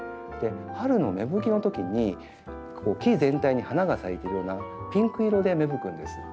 春の芽吹きのときに木全体に花が咲いているようなピンク色で芽吹くんです。